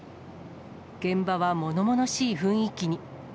現場はものものしい雰囲気に。